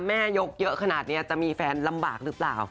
แม่ยกเยอะขนาดนี้จะมีแฟนลำบากหรือเปล่า